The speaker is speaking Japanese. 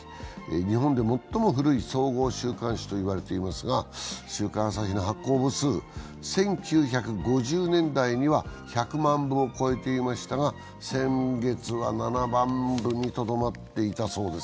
日本で最も古い総合週刊誌と言われていますが、「週刊朝日」の発行部数１９５０年代には１００万部を超えていましたが、先月は７万部にとどまっていたそうです。